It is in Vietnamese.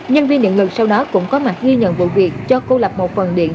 nhân viên nhận lực sau đó cũng có mặt nghi nhận vụ việc cho cố lập một phần điện